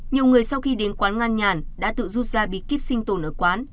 nhiều người sau khi đến quán ngăn nhàn đã tự rút ra bị kíp sinh tồn ở quán